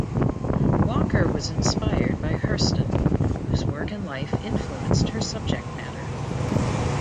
Walker was inspired by Hurston, whose work and life influenced her subject matter.